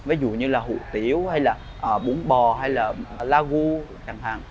ví dụ như là hủ tiếu hay là bún bò hay là lagu chẳng hạn